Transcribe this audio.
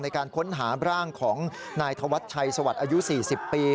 ในการค้นหาร่างของนายธวัชชัยสวัสดิ์อายุ๔๐ปี